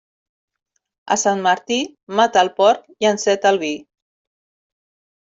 A Sant Martí, mata el porc i enceta el vi.